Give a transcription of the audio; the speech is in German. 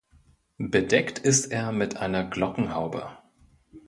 Bedeckt ist er mit einer Glockenhaube.